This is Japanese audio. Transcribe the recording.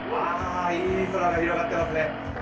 いい空が広がっていますね。